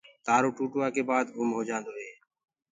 تآرو ٽوٚٽوآ ڪي بآد گُم هوجآندو هي۔